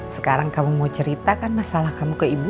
sekarang kamu mau ceritakan masalah kamu ke ibu